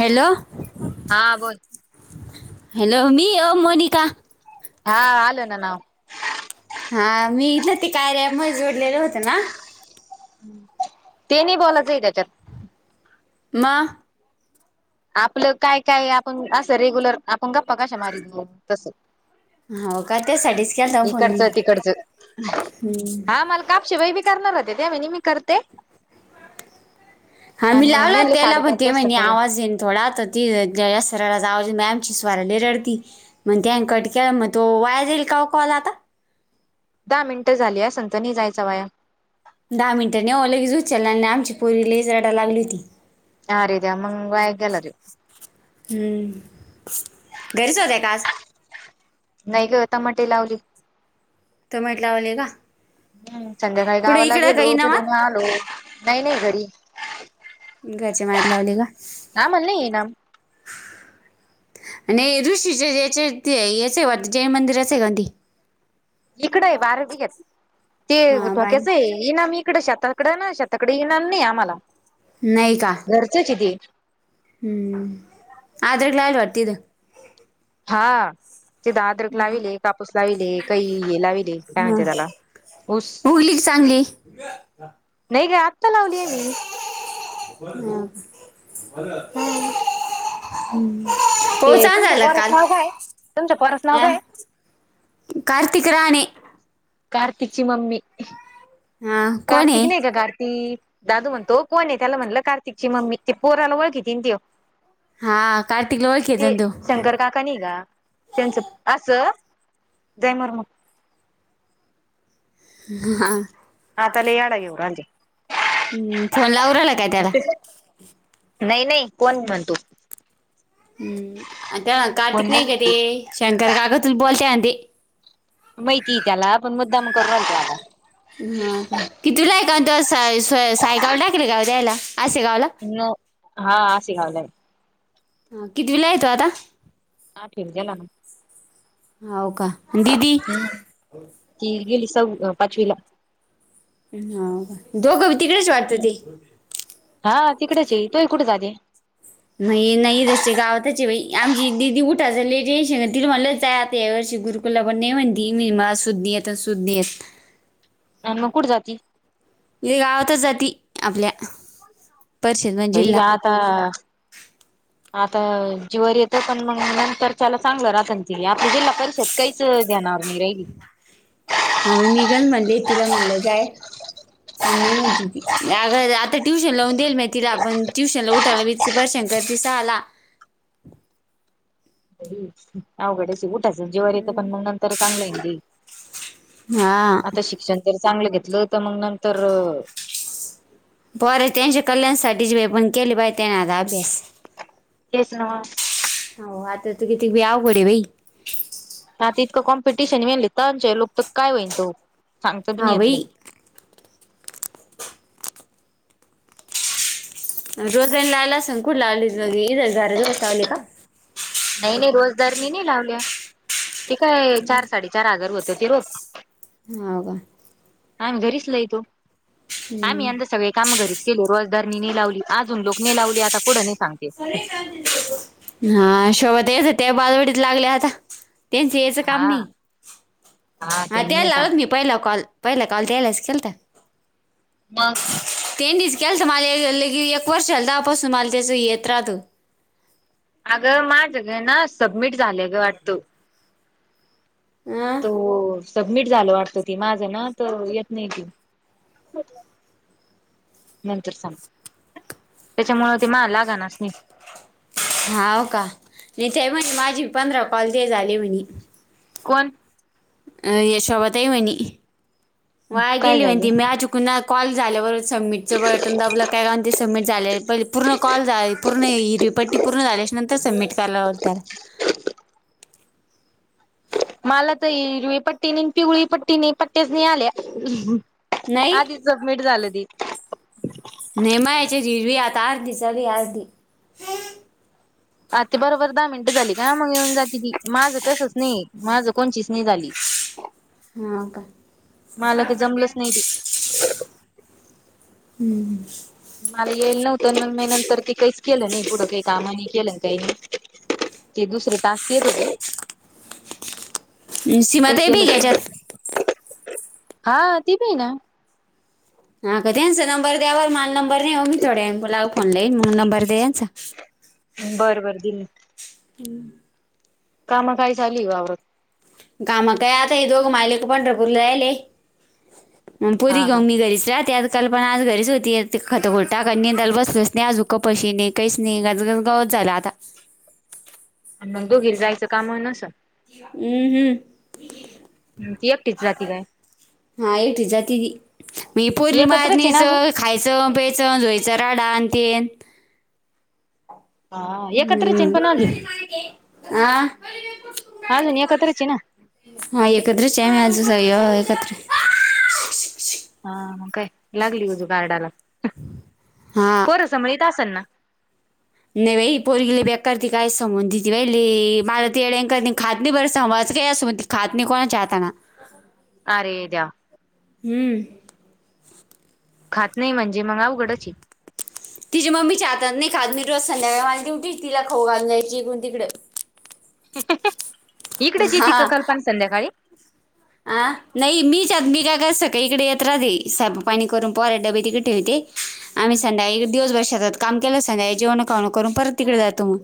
Hello? हा बोल hello, मी ओ मनिका. हां आलं ना नाव. हां मी इतलं ते कार्या ॲप मध्ये जोडलेल होत ना. हम्, ते नई बोलाचंय त्याच्यात. मं आपलं काय-काय आपण, असं रेग्युलर, आपण गप्पा कशा मारीतोतो तसं. हो का त्यासाठीच केला होता फोन मी इकडचं-तीकडचं. हां मल कापशे बाई बी करणार होते, त्या म्हणी मी करते. हां मी आणि लावला मेले त्याला पण साडेपाच ते वाजता म्हणी करा आवाज येईन थोडा त ती य जया सरळ जाऊज मॅ आमची स्वराली रडती. मंत्यान कटक्या, म तो वाया जाईल का ओ कॉल आता? दा मिनटं झाली आसन त नी जायचा वाया. दहा मिनिटनी ओ लगीच उचलला अन् आणि आमची पोरी लाईस रडा लागली होती. आरे द्या मंग वाया गेला त्यो. हम्म, घरीच ओत्या का आज? नाही ग तमाटे लावली. टमाट लावले का? हम्म, संध्याकाळी कुठे गावाला इकडं काही गेलो तिथून नावात आलो. नाही-नाही घरी. घरच्या मळ्यात लावली का? आम्हाला नाही इनाम आणि ऋषीचे ज्याचे ते आय याचे वाद् जैन मंदिराचे गांधी. इकडे ये बारा बिग्यात. ते हा बाय धोक्याच ये. ये ना मी इकडे शेताकड ना शेताकडे येईणार नाही आम्हाला. [unintelligible] नाही का? घरचेची ती. ह अ्र ला आल वारतद [unintelligible] हा तेिथ अद्रक लाविले कापूस लाविले काही हे लाविले काय हा म्हणतेय त्याला [unintelligible] उगली की चांगली नाही ग आत्ता लावलीय मी. [unintelligible] बर हा. हम्म पाऊस चांगला तुमच्या झाला पोराच काल नाव काय तुमच्या पोराच नाव आ? काय कार्तिक राणे. कार्तिकची मम्मी हा कोण कार्तिक आहे नाही का कार्तिक दादू म्हणतो कोण आहे त्याला म्हणलं कार्तिकची मम्मी ते पोरालाओळखीती त्यो हा कार्तीक ला ओळखीतो न तो. कनी ग त्यांच असं जयमर हा. आता लयी येडा येऊन राहिले [unintelligible] हम्म फोन लावून राहिला काय त्याला? नाही नाही कोण म्हणतो? हम्म आन त्या कार्तिक नाही का ते शंकर काक तु बोलते अ ते माहिती आहे त्याला पण मुद्दामग करूनलतो आला. हा का कितीला आहे का त सायगाव टाकले ग द्यायला आेगावला [unintelligible] ना हा असे गावला आहे. ह कित वेला आहे तो आता? आठवीला गेला ना. होव का? दिदी हम्म त गेली सौ पाचवीला. हो का दोघं तिकडेच वाटतं ते? हम्म हा तिकडेच ये तो कुठे जाले [unintelligible] मग नाही जस गावताचे आमची दिदी उठा झालेट श ति म्हटलंचय आता या वर्षी गुरु [unintelligible] ला पण नाही म्हणती मी म असुद्ध येत असुद्ध येत [unintelligible] अन मग कुठ जाती? ये गावातच जाती आपल्या. परिषद म्हणजे भाई जिल्हा व आता [inaudible] आता जीवारी येतं पण मग नंतर चाला चांगलं राहत त आता जिल्हा परिषद काहीच घणार रहिली [unintelligible] हां मी निघन म्हणले तिला म्हणलं जाय [unintelligible] पण नाही म्हणते ती अग आता ट्यूशन लावून देईल माहि तिला पण ट्युशनला उठायला भ बर शंकर चे सहाला. हम अवघडेच ऊठ त्याच्या जिवारी येत पन नंतर चांगलं हा आता शिक्षण जर चांगलं घेतलं तर मग नंतर पोरं त्यांच्या कल्याणसाठी जे पण केले बाय त्यांणार अभ्यास तेच ना. हो आता तू किती बीवकडे बाई आता इतकं कॉम्पिटिशन वेन तरच्या लोक तर काय होईन तो सांगती हा नाही बाई आपल्या रोज्र ला आला असग कुडला आली इ जर दोससा आवली नाही नाही रोजदारनी नाही लावल्या त काय चार साडी चार आगर होत त र ह का आम्ही घरीच लय तो हम्म. आम्ही यंद सगळे काम घरीच केले रोजदारनी नाही लावली अजून लोक न लावले आता पुढं नाही सांगते. हा शोबत यच त्या बाजवडीत लागल्या आता त्यांच यायचं काम हा नाही हा त्यांनी त्याय लागलत येतात मी पहिला कॉल पहिला कल द्यायलास केल तर म तेनीच केलं तर मला एक वर्ष आला दहापासून मला त्याच येत राहतो अगं माझं ग ना सबमिट झालं ग वाटतं हम हो सबमिट झालं वाटत त माझं ना तर येत नाही त नंतर सांग त्याच्यामु ते मा लागा नाच नाही होा का नाही ते म्हणे माझी पंधरा कॉल ते झाले म्हणे कोण या शभ तही वनी वा काय गेली व झाले त म अज कुणा्हा कॉल झाल्या बरोब सबमिटचं बटन दाबलं काय काण ते सबमिट झाले पहिले पूर्ण कॉल झाली पूर्ण हर पट्टी पूर्ण झाल्याच्या नंतर सबमिट करायला हो त्याला मला तर हिरवी पट्टी नाही पिगळी पट्टी नाही पट्ट्याच नाही आल्या नाही आधी सबमिट झालं त नेमा याचे जिजवी आता अर्धी सळी अर्धी आज ते बरोबर दहा मिनटं झाली का मग येऊन जाते ती माझं कसच नाही माझं कोणचीच नाही झाली हा का मला काही जमलंच नाही ते. हम्म मला येईल नव्हत मग म नंतर ते काहीच केलं नाही पुढं काही कामानी केलं काही नाही ते दुसरे टास्क येत होते प सीमा काही ते केलं बी घ्याच्यात त हा ती ब ना ह का यांचा नंबर द्यावर मला नंबर नाही मी थोड्यांला फोन लाईन मला नंबर द्या यांचा बरं बरं दिली हम् काम काय ली वावरत कामा काय आता हे दोघ मालिक पंढरपूरला जायले आणि पुोरी हा ग का. ममी घरीच रा त्यात कल्पना आज घरीच होती ख घोटा क दल बसल नाही आजुकं पशी नाही काही नाही गज गज गावत झालं आता आणि मग दोघी जायचं काम हो नसं हम्म हम्म ती एकटीच जाती काय? हा एवटे जात मी पोरली एकत्रच आहे ना महात्मच अजून खायचं पेचं ोयचं राडा आणि तीन हा एकत्रच येन पण हम्म अजून आ अजून एकत्रची ये ना हा एककते चेम्याजुस अयो एककत हा मग काय लागली बाजू कार्डाला हा पोरसमळीत असल ना? नाही बाई पोरगिले बेकार ती काय समोन देती बाई मला तेंकर खात नाही बर समचं काय असं [unintelligible] खात नाही कोणच्या हातान. अरे देवा. हम्म. खात नाही म्हणजे मग अवघडच आहे. तिच्यि मम्मीच्या हाताने नाही खात मी रोज संध्याकाळ आणि दिवटी तिला खाऊ घालायची तिला पकडुन, तिकडे. इकडेच येती का कल्पना संध्याकाळी? ह नाही मीच आग बी काय कारते सकाळी इकडे येत राहते स्वयंपाक पाणी करून पोराचे डबे तिकडे ठेविते आम्ही संध्या दिवसभर शेतात काम केलं संध्याळी जेवण खावण करून परत तिकडे जातो मग.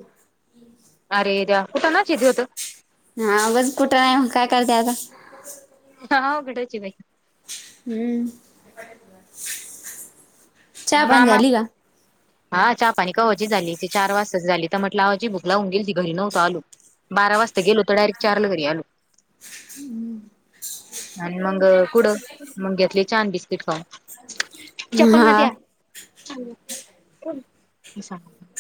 अरे देवा कुटानाच हाय तो तर. हा बस कुटाना आहे मग काय करते आता. हा आवघडच हे बाई. हम्म, चहा आणि पण मामा झाली का? हा चहा पाणी कव्हाची झाली ती चार वाजता झाली तर म्हटलं आवाजी भुकलाऊन गेल ती घरी नव्हतो आलो. बारा वाजता गेलो तर डारेक चार ला घरी आलो. हम्म [inaudible] आणि मग कुडं मग घेतले चहा न बिस्किट खाऊ चपन्नात हा या. [inaudible]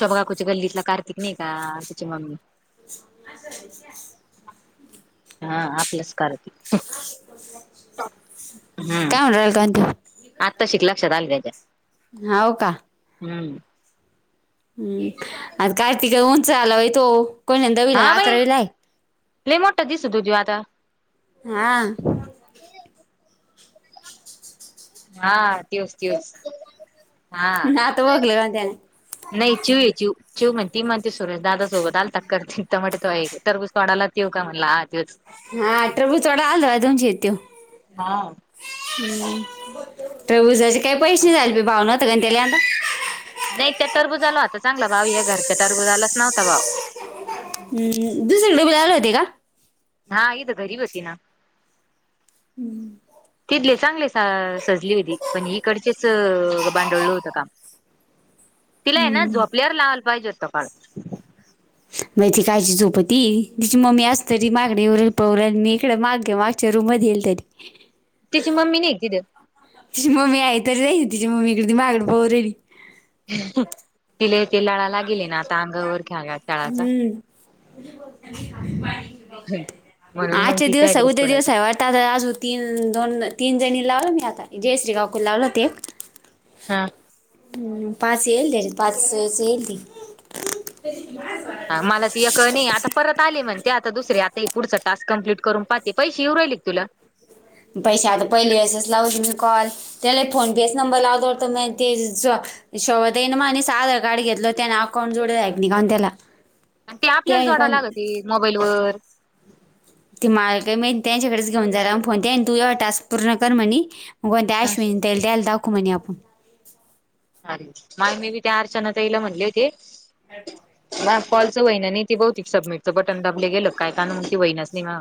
शोभ काकूच्या गल्लीतला कार्तिक नाही का त्याची मम्मी. [inaudible] हा आपलाच कार्तिक. [inaudible] ह [inaudible] काय म्हणु राहिल ता? आत्ताशीक लक्षात आल त्याच्या. हाव का. हम्म. कार्तिक होऊन उंच झाला बाई तो कोणी म्हणे दहावी, हा बाई अकरावी आहे. लय मोठा दीसतो गजु आता. हा.. हा त्योच त्योच हा. ना आता बघलं का त्याने नाही च्यव ये चू च्यू म्हण ती म्हणते सुरेश दादा सोबत आल तक्कर करती टमाटे तोडायला टरबुज तोडाला तो का म्हणला हा तोच. हा टरबूज तोडायला आला हो तुमचे इथं तो. हा. टरबुजाचे काही पैसे झाले भाव नव्हता त्याले आता. नाही त्या टरबूजाला होता चांगला भाव या घरच्या टरबूजालाच नव्हता भाव. हम्म दुसरीकडेब लावले होते का? हा इथ घरी होतेना. हम्म [unintelligible] तिथले चांगले सा सजली होती पण इकडचेच बांडळलं होतं काम. [inaudible] तिला आहे ना झोपल्यावर लावायला पाहिजे होत पार. मग ती कायची झोपती तिची मम्मी असली तरी माकडेयवु राहिली पळु राहिली मी इकडे मागे माग मागच्या रुम मधी येल तरी. त्यािची मम्मी नाही तिथ तिची मम्मीी आ तरी जाई ना तिी मम्मी इडे दि मागड पोरेली तिले ते लळा लागेले ना आता अंगावर ख्याला तळाचा म्हणून मग आज ती दिवस त्याकडेच सगद दिवस पडायच आहेव आता आता आजू तीन दोन तीन जणी लावलं मी आता जयश्री गावकू लावलं ते एक हा हम् पाच हेल दे पाचती मला ते या नाही आता परत आले म्हण ते आता दुसरे आता पुढचा टास्क कमप्लीट करून पाहते पैसे येऊ राहिले तुला पैसे आता पहिले असच लावते मी कॉल त्याला फोन पेच नंबर लावतोत ते शेव ये मानेस आधार कार्ड घेतलं त्याने अकाउंट जोडला आहे नि कााून त्याला आणि ते आपल्याला आणि जोडा कोण लागते मोबाईलवर ती मालक मी त्या त्यांच्याकडेच घेन जाला फोन तू येव टास् पूर्ण कर म्हणेी मुगोन त्या अश्न तेल ते्याल दाूमणे आपण अर माग मे बी त्या अरचनाचाईला म्हणले होते म फॉलच बहिण नाही ती बहुती सबमिटचं बटन दाबले गेलं काय काण त वहिनाच नाही म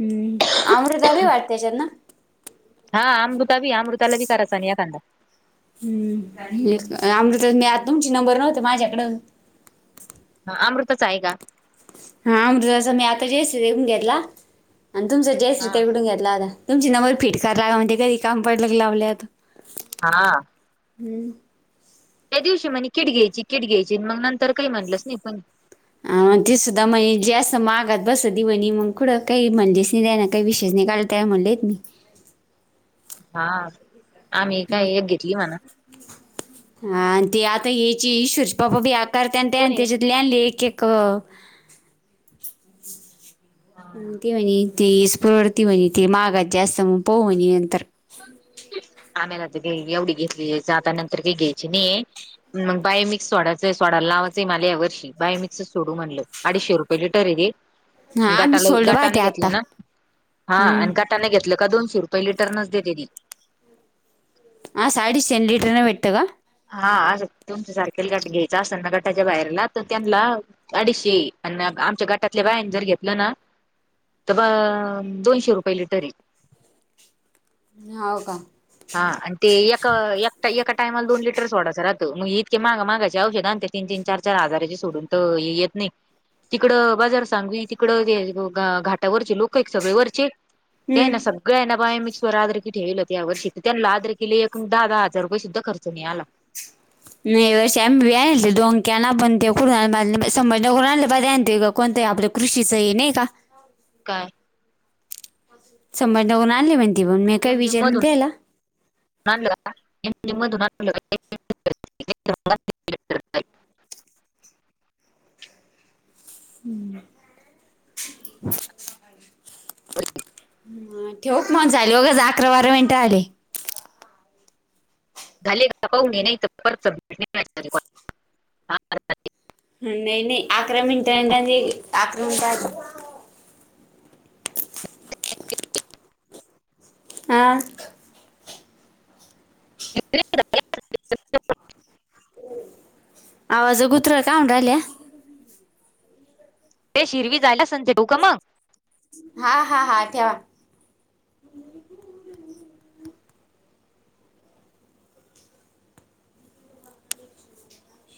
हम्म अमृता बी वाटते्याच्यात ना हा अमृताी अमृतालाी करायचा नाही या खांदा हम् अमृता मी आ तुमची नंबर नव्हत माझ्याकड हा अमृतताच ऐका हा अमृताचा मी आता जयश्री ताई कडून घेतला आणि तुमचा जयश्री हा ताई कडून घेतला आता तुमची नंबर फिट करा म्हणजे कधी काम पडलं लावलेत हा हम् त्या दिवशी म्हणे किट घ्यायची किट घ्यायची मग नंतर काही म्हटलंच नाही पण हग ते सुद्धा म्हणजे असं मग आगात बसत दि म्हणी मग कथडं काही म्हणजेस नाही जा ना काही विशेष नाही काढ त्या म्हणलेत मी हा आम्ही काय एक घेतली म्हणा हा आणि ते आता याची [unintelligible] बी आकारत ते आणि कोणी त्याच्या [unintelligible] एक एक ती म्हणी [unintelligible] ती महागची असते म्हण [unintelligible] नंतर आम्याला तर एवढी घेतली जाता नंतर काही घ्यायची नाही मग बाय मिक्स सोडायचं सोडयं लावायचंय मला या वर्षी बाय मी कस सोडू म्हणलं अडीचशे रुपये लिटर ए ते हा आम्ही गटाला सोडलं बा गटाने ते आता घेतलं ना हा हम्म आणि गटाने घेत घेतला का दोनशे रुपय लिटर नच देते ती आस अडीचशे लिटरन भेटतं का हा असं तुमच्या सारखेल गट घ्यायचा असेल ना गटाच्या बाहेरला तर त्यांना अडीचशे अन् आमच्या गाटातले बाईन जर घेतलं ना तर ब दोनशे रुपये लिटर ए हाव का हा आणि ते एका एकटा टायमाला दोन लिटर सोडाच राहत मग इतके माग मागाचे तीन तीन चार चार हजाराचे सोडून तर येत नाहीत तिकड बाजार सांगवी तिकडं ते घाटावरचे लोक एक सगळे वरचे ते हम्म ना सगळं आहे ना बाय मिक [unintelligible] यावर्षी त्यांना आद्र केले एक दहा दहा हजार रुये सुद्धा खर्च नाही आला [unintelligible] कोणतंही आपलं कृषीचं हे नाही का काय [unintelligible] मी काही एम जे विचार नाही मधून द्यायला [unintelligible] हम्म ठेवक मण चाल बघा ज अकरा बारा मिनिटं आले झाली का पाउन घ्या नाही परत [unintelligible] नाही नाही अकरा मिंट [unintelligible] आक्रमक हा [unintelligible] आवाज गुत्र का म्हन राहिल्या ते शिरवी जायला [unintelligible] का मग हा हा हा ठेवा